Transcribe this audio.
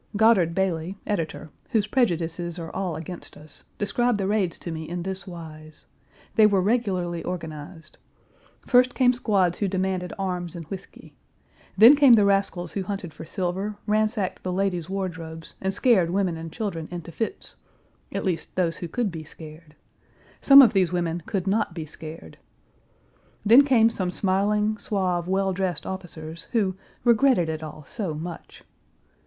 Godard Bailey, editor, whose prejudices are all against us, described the raids to me in this wise: They were regularly organized. First came squads who demanded arms and whisky. Then came the rascals who hunted for silver, ransacked the ladies' wardrobes and scared women and children into fits at least those who could be scared. Some of these women could not be scared. Then came some smiling, suave, well dressed officers, who "regretted it all so much."